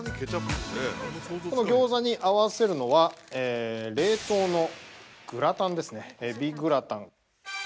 ◆このギョーザに合わせるのは、冷凍のグラタンですね。